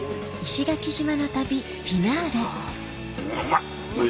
うまい！